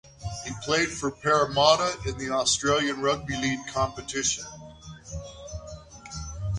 He played for Parramatta in the Australian Rugby League competition.